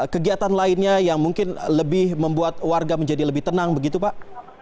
kegiatan lainnya yang mungkin lebih membuat warga menjadi lebih tenang begitu pak